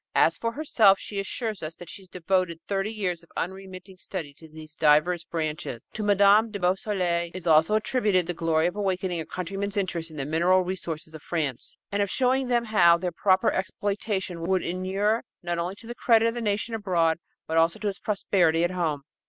As for herself, she assures us that she devoted thirty years of unremitting study to these divers branches. To Mme. de Beausoleil is also attributed the glory of awakening her countrymen's interest in the mineral resources of France, and of showing them how their proper exploitation would inure not only to the credit of the nation abroad but also to its prosperity at home.